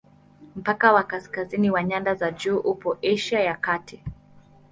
Mpaka wa kaskazini wa nyanda za juu upo Asia ya Kati.